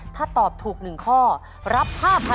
ถ้าตอบถูก๑ข้อรับ๕๐๐๐